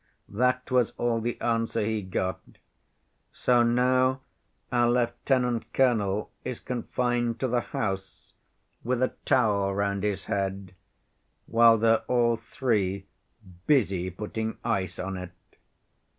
That was all the answer he got. So now our lieutenant‐colonel is confined to the house, with a towel round his head, while they're all three busy putting ice on it.